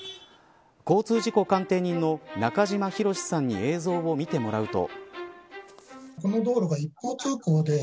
交通事故鑑定人の中島博史さんに映像を見てもらうと。